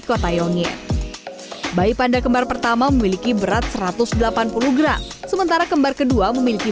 kota yongit bayi panda kembar pertama memiliki berat satu ratus delapan puluh gram sementara kembar kedua memiliki